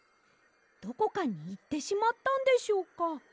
どこかにいってしまったんでしょうか？